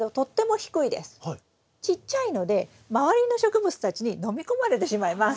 ちっちゃいので周りの植物たちにのみ込まれてしまいます。